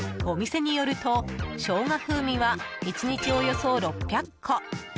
お店によると、ショウガ風味は１日およそ６００個